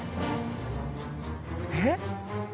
えっ？